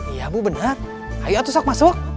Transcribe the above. iya bu benar ayo atur sok masuk